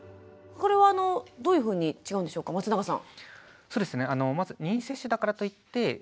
これはどういうふうに違うんでしょうか松永さん。